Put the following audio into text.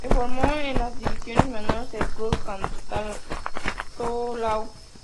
Se formo en las divisiones menores del club Cantolao.